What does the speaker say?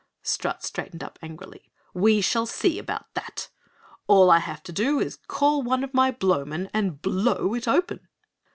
Strut straightened up angrily, "We shall see about that. All I have to do is call one of my Blowmen and BLOW it open."